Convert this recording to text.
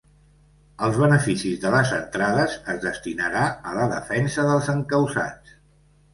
Els beneficis de les entrades es destinarà a la defensa dels encausats.